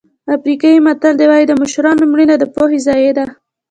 افریقایي متل وایي د مشرانو مړینه د پوهې ضایع ده.